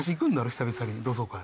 久々に同窓会。